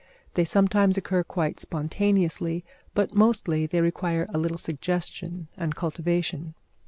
They sometimes occur quite spontaneously, but mostly they require a little suggestion and cultivation.